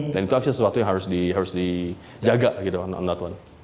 dan itu actually sesuatu yang harus dijaga gitu on that one